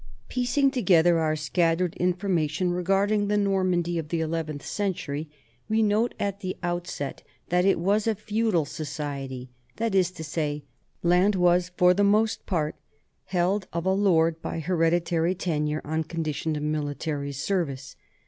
Piecing together our scattered information regarding the Normandy of the eleventh century, we note at the outset that it was a feudal society, that is to say, land was for the most part held of a lord by hereditary tenure on condition of military service.